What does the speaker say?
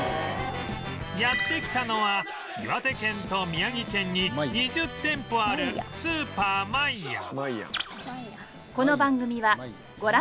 やって来たのは岩手県と宮城県に２０店舗あるスーパーマイヤ